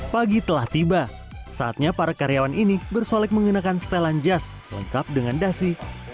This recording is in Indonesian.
pagi telah tiba saatnya para karyawan ini bersolek mengenakan setelan jas lengkap dengan dasi